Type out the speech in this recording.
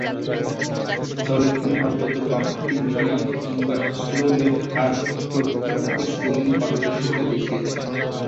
দলে তিনি মূলতঃ বামহাতি মিডিয়াম কিংবা স্লো লেফট আর্ম অর্থোডক্স বোলিংয়ে পারদর্শিতা দেখিয়েছেন।